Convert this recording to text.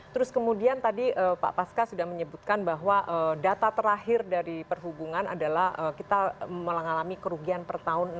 terus kemudian tadi pak paska sudah menyebutkan bahwa data terakhir dari perhubungan adalah kita mengalami kerugian per tahun